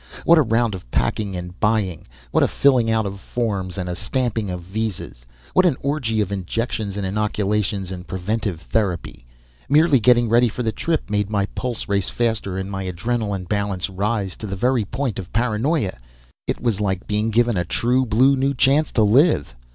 What a round of packing and buying; what a filling out of forms and a stamping of visas; what an orgy of injections and inoculations and preventive therapy! Merely getting ready for the trip made my pulse race faster and my adrenalin balance rise to the very point of paranoia; it was like being given a true blue new chance to live.